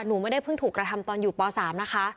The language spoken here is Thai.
หนูไม่ได้เพิ่งถูกกระทำตอนอยู่ป๓นะคะ